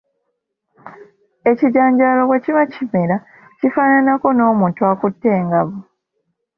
Ekijanjaalo bwe kiba kimera kifaananako n’omuntu akutte engabo.